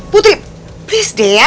putri please deh ya